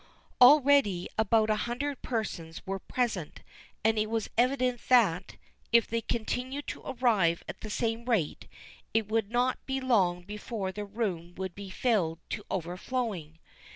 Already about a hundred persons were present, and it was evident that, if they continued to arrive at the same rate, it would not be long before the room would be filled to overflowing.